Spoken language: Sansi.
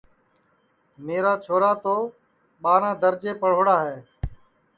میرا چھورا تو ٻاراں درجے پڑھوڑا ہے